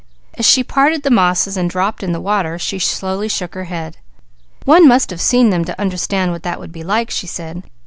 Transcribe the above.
As she parted the mosses to drop in the water she slowly shook her head. "One must have seen them to understand what that would be like," she said.